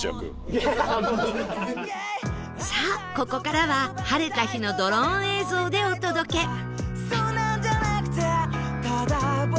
さあここからは晴れた日のドローン映像でお届け